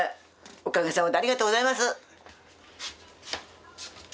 おかげさまでありがとうございます。